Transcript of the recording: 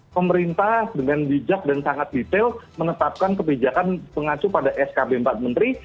pemerintah dengan bijak dan sangat detail menetapkan kebijakan pengacu pada skb empat menteri